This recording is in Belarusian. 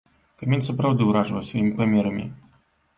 Камень, сапраўды, уражвае сваімі памерамі!